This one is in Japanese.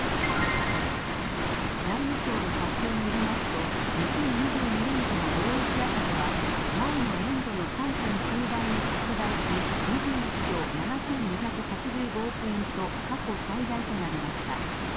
財務省の発表によりますと２０２２年度の貿易赤字は前の年度の３．９倍に拡大し２１兆７２８５億円と過去最大となりました。